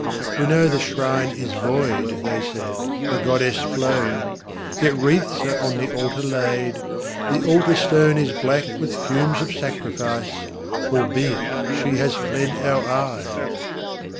"We know the Shrine is void," they said, "The Goddess flown Yet wreaths are on the Altar laid The Altar Stone Is black with fumes of sacrifice, Albeit She has fled our eyes.